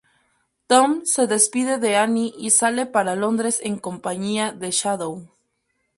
Tom se despide de Anne y sale para Londres en compañía de Shadow.